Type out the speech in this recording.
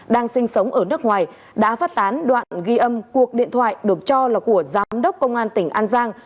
đang sinh sống ở nước ngoài đã phát tán đoạn ghi âm cuộc điện thoại được cho là của giám đốc công an tỉnh an giang